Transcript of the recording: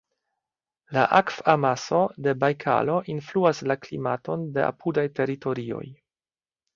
La akv-amaso de Bajkalo influas la klimaton de apudaj teritorioj.